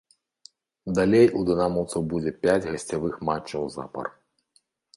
Далей у дынамаўцаў будзе пяць гасцявых матчаў запар.